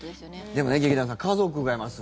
でも、劇団さん家族がいます